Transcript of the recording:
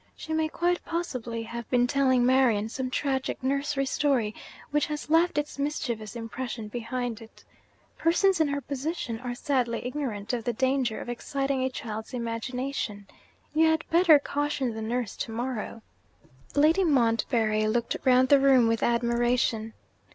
'She may quite possibly have been telling Marian some tragic nursery story which has left its mischievous impression behind it. Persons in her position are sadly ignorant of the danger of exciting a child's imagination. You had better caution the nurse to morrow.' Lady Montbarry looked round the room with admiration.